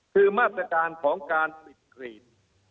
คือมาตรการของการปิดครีม